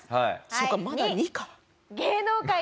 そうかまだ２か。